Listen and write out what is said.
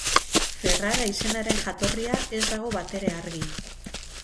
Ferrara izenaren jatorria ez dago batere argi.